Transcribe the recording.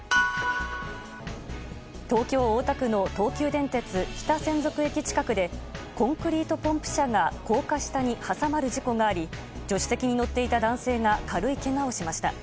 東京・大田区の東急電鉄北千束駅近くでコンクリートポンプ車が高架下に挟まる事故があり助手席に乗っていた男性が軽いけがをしました。